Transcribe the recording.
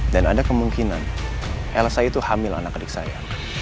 dan ada kemungkinan elsa itu hamil anak adik saya